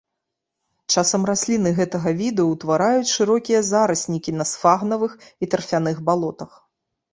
Часам расліны гэтага віду ўтвараюць шырокія зараснікі на сфагнавых і тарфяных балотах.